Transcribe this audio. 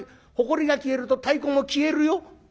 ほこりが消えると太鼓も消えるよ」。